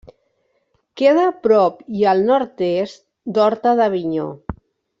Queda a prop i al nord-est d'Horta d'Avinyó.